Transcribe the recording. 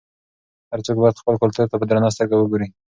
هر څوک باید خپل کلتور ته په درنه سترګه وګوري.